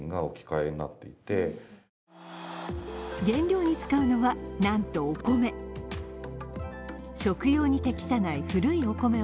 原料に使うのは、なんとお米。